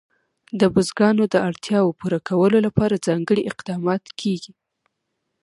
د بزګانو د اړتیاوو پوره کولو لپاره ځانګړي اقدامات کېږي.